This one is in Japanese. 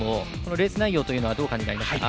レース内容というのはどうお感じになりましたか？